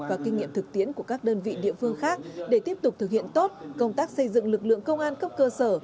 và kinh nghiệm thực tiễn của các đơn vị địa phương khác để tiếp tục thực hiện tốt công tác xây dựng lực lượng công an cấp cơ sở